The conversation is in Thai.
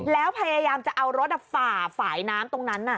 แล้วพยายามจะเอารถฝ่าฝ่ายน้ำตรงนั้น